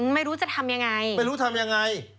ไม่รู้จะทำยังไง